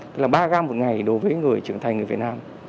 tức là ba gram một ngày đối với người trưởng thành người việt nam